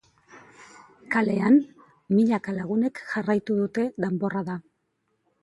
Kaleetan, milaka lagunek jarraitu dute danborrada.